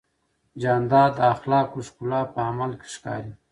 جانداد د اخلاقو ښکلا په عمل کې ښکاري.